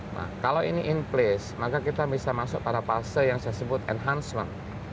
nah kalau ini in place maka kita bisa masuk pada fase yang saya sebut enhancement